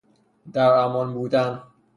در امان بودن